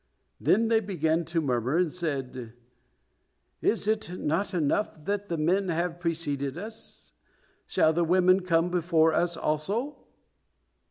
Then they began to murmur, and said, "Is it not enough that the men have preceded us? Shall the women come before us also?"